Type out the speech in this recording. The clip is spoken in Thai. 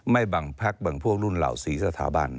ไม่บังพักบังพวกรุ่นเหล่าสีสถาบันอืม